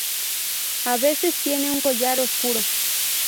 A veces tiene un collar oscuro.